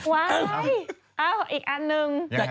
ว้าวไอ้อีกอันนึง